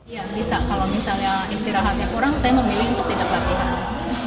ya bisa kalau misalnya istirahatnya kurang saya memilih untuk tidak latihan